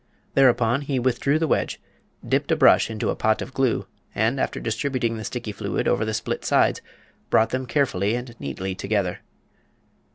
Thereupon he withdrew the wedge, dipped a brush into a pot of glue, and, after distributing the sticky fluid over the split sides, brought them carefully and neatly together.